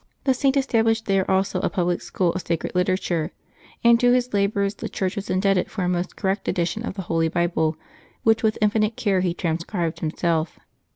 The Saint established there also a public school of sacred literature, and to his labors the Church was indebted for a most correct edition of the Holy Bible, which, with infinite care, he transcribed himself.